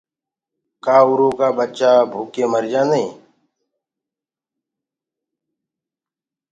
ڪآ ارو ٻچآ ڀوڪي مرجآندآ